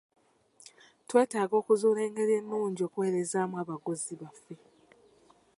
Twetaaga okuzuula engeri ennungi okuweerezaamu abaguzi baffe.